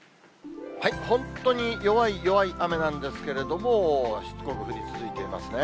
本当に弱い弱い雨なんですけれども、しつこく降り続いていますね。